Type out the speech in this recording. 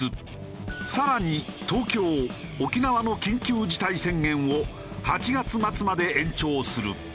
さらに東京沖縄の緊急事態宣言を８月末まで延長する。